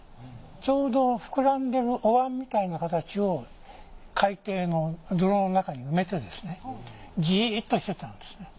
ちょうど膨らんでるお椀みたいな形を海底の泥の中に埋めてジーッとしてたんですね。